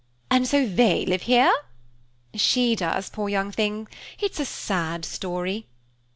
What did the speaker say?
"And so they live here?" "She does, poor young thing! Ah, it's a sad story!"